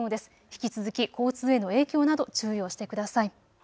引き続き交通への影響など注意をしてください。